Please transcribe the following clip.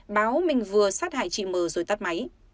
báo mình vừa sát hại chị m rồi tắt máy